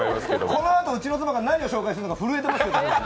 このあとうちの妻が何を紹介するのか震えていますけれども。